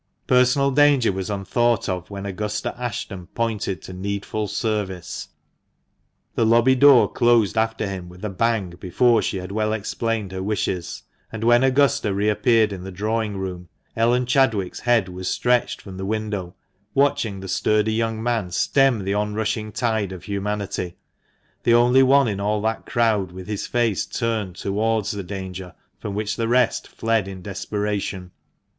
Personal danger was unthought of when Augusta Ashton pointed to needful service. The lobby door closed after him with a bang before she had well explained her wishes ; and when Augusta re appeared in the drawing room, Ellen Chadwick's head was stretched from the window, watching the sturdy young man stem the on rushing tide of humanity — the only one in all that crowd with his face turned towards the danger from which the rest fled in desperation.